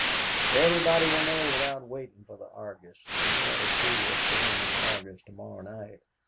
Everybody will know without waiting for the Argus, and you ought to see what's going in the Argus to morrow night.